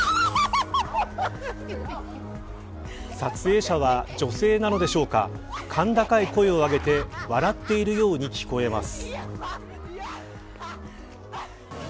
撮影者は女性なのでしょうか甲高い声を上げて笑っているように聞こえます。